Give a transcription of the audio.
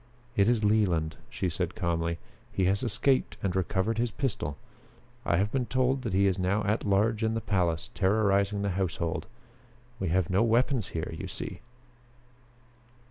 "It is Leland," she said calmly. "He has escaped and recovered his pistol. I have been told that he is now at large in the palace, terrorizing the household. We have no weapons here, you see."